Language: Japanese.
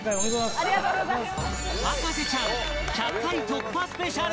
ありがとうございます。